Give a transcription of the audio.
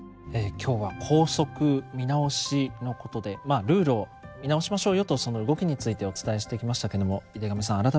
今日は校則見直しのことでまあルールを見直しましょうよとその動きについてお伝えしてきましたけども井手上さん